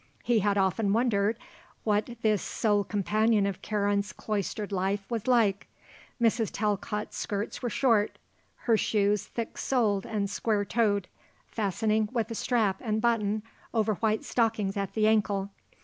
He had often wondered what this sole companion of Karen's cloistered life was like. Mrs. Talcott's skirts were short; her shoes thick soled and square toed, fastening with a strap and button over white stockings at the ankle.